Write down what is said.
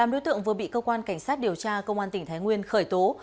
tám đối tượng vừa bị cơ quan cảnh sát điều tra công an tỉnh thái nguyên khởi tố